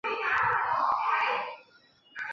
总共有十个参赛者赢得了数目不等的奖金。